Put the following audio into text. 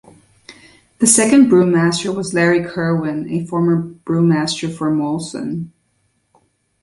The second brewmaster was Larry Kerwin, a former brewmaster for Molson.